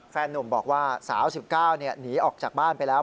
นุ่มบอกว่าสาว๑๙หนีออกจากบ้านไปแล้ว